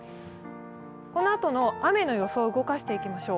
このあとの雨の予想、動かしていきましょう。